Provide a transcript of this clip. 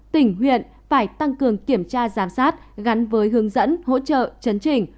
tỉnh huyện phải tăng cường kiểm tra giám sát gắn với hướng dẫn hỗ trợ chấn chỉnh